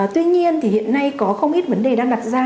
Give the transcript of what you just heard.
tuy nhiên thì hiện nay có không ít vấn đề đang đặt ra